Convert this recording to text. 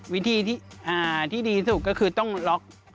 วิธีที่ดีที่สุดก็คือต้องล็อก